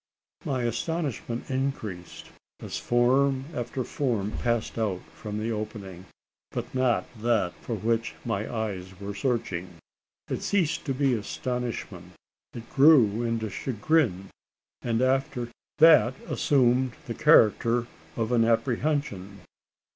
My astonishment increased, as form after form passed out from the opening, but not that for which my eyes were searching. It ceased to be astonishment: it grew into chagrin; and after that assumed the character of an apprehension.